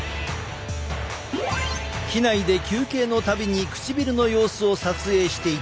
機内で休憩のたびに唇の様子を撮影していただく。